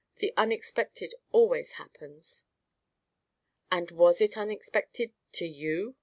The unexpected always happens." "And was it unexpected to you?"